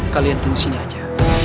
kalian tunggu sini aja